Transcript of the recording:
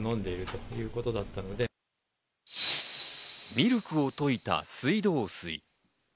ミルクを溶いた水道水。